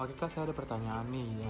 oke kak saya ada pertanyaan nih